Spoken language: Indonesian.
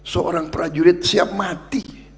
seorang prajurit siap mati